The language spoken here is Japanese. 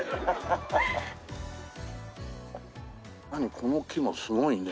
この木もすごいね。